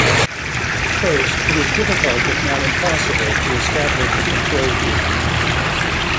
First, it is difficult if not impossible to establish a control group.